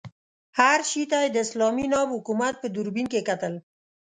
هر شي ته یې د اسلامي ناب حکومت په دوربین کې کتل.